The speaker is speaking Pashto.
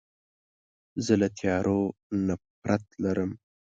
زه له تیارو نفرت لرم.